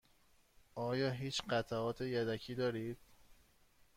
آیا هیچ قطعات یدکی دارید؟